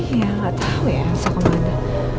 iya gak tau ya masa kemana